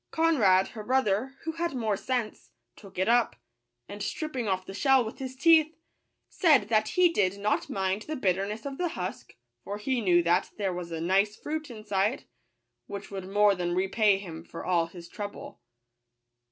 Conrad, her bro ther, who had more sense, took it up; and stripping off the shell with his teeth, said that he did not mind the bitterness of the husk, for he knew that there was a nice fruit inside, which would more than repay him for all his trouble.